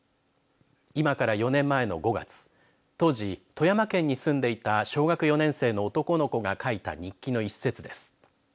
今から４年前の５月当時、富山県に住んでいた小学４年生の男の子が書いた日記の一節です。